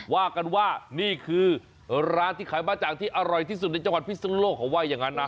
ว่ากันว่านี่คือร้านที่ขายบ้าจังที่อร่อยที่สุดในจังหวัดพิศนุโลกเขาว่าอย่างนั้นนะ